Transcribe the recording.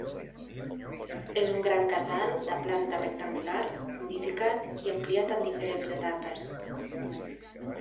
És un gran casal de planta rectangular, modificat i ampliat en diferents etapes.